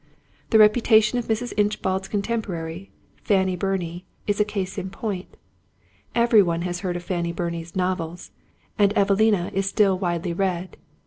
The reputation of Mrs. Inchbald's contemporary, Fanny Burney, is a case in point. Every one has heard of Fanny Burney's novels, and Evelina is still widely read.